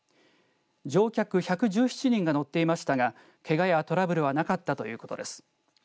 乗客１１７人が乗っていましたがけがや、トラブルはなかったということです。